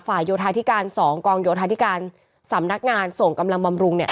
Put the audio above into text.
โยธาธิการ๒กองโยธาธิการสำนักงานส่งกำลังบำรุงเนี่ย